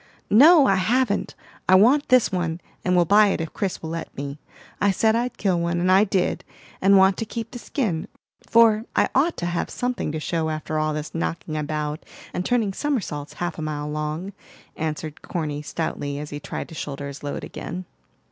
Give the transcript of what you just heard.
"No, I haven't! I want this one, and will buy it if Chris will let me. I said I'd kill one, and I did, and want to keep the skin; for I ought to have something to show after all this knocking about and turning somersaults half a mile long," answered Corny stoutly, as he tried to shoulder his load again.